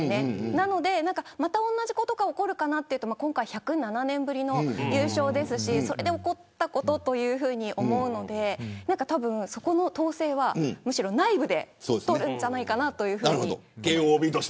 なので、また同じことが起こるかなというと今回１０７年ぶりの優勝ですしそれで起こったことだと思うのでそこの統制は、むしろ内部で取るんじゃないかなと。